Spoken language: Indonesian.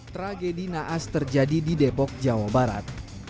tragedi naas terjadi di depok jawa barat